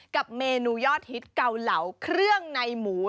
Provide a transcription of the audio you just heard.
กับเมนูยอดฮิตเกาเหลาเครื่องในหมู